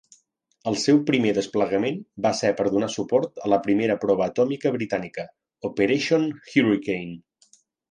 El seu primer desplegament va ser per donar suport a la primera prova atòmica britànica, Operation Hurricane.